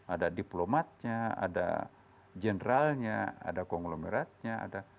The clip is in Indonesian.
ada diplomatnya ada generalnya ada konglomeratnya ada